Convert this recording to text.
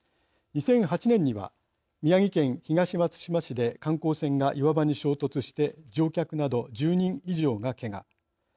２００８年には宮城県東松島市で観光船が岩場に衝突して乗客など１０人以上がけが。